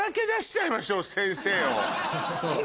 先生を。